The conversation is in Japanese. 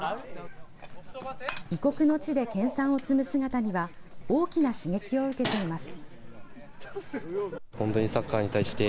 異国の地で研さんを積む姿には大きな刺激を受けています。